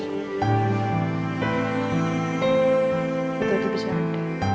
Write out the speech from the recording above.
itu aja bisa ada